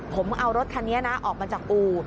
ผมเอารถคันนี้นะออกมาจากอู่